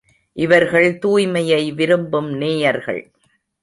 இவர்கள் தூய்மையை விரும்பும் நேயர்கள்.